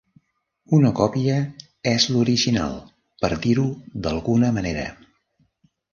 Una còpia "és" l'original, per dir-ho d'alguna manera.